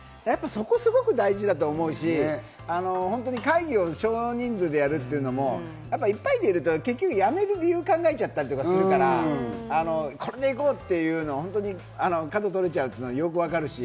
そこすごく大事だと思うし、会議を少人数でやるっていうのも、いっぱいでいると、やめる理由を考えちゃったりするから、これで行こうっていうのを角取れちゃうっていうのはよくわかるし。